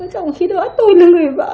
trong khi đó tôi là người vợ